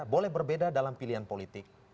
boleh berbeda dalam pilihan politik